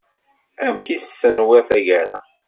Amek i tt-tenwiḍ taggara.